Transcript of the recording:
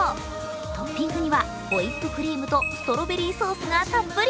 トッピングにはホイップクリームとストロベリーソースがたっぷり。